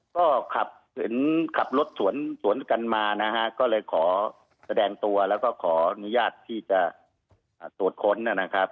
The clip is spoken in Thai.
ก็ขับเห็นขับรถสวนสวนกันมานะฮะก็เลยขอแสดงตัวแล้วก็ขออนุญาตที่จะตรวจค้นนะครับ